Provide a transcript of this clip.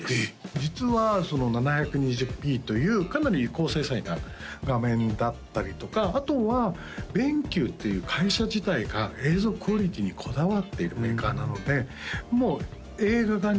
実は７２０ｐというかなり高精細な画面だったりとかあとはＢＥＮＱっていう会社自体が映像クオリティーにこだわっているメーカーなのでもう映画がね